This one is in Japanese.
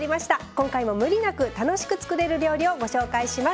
今回も無理なく楽しく作れる料理をご紹介します。